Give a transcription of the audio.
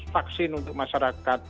vaksin untuk masyarakat